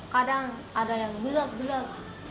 kadang ada yang gelap gelap